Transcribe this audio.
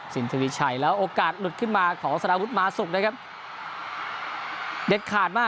สินทรีย์ใช่แล้วโอกาสหลุดขึ้นมาของสนาพุทธมาสุกนะครับเด็ดขาดมาก